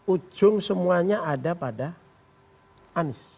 ujung semuanya ada pada anies